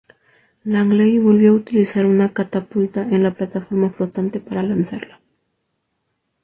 Langley volvió a utilizar una catapulta en la plataforma flotante para lanzarla.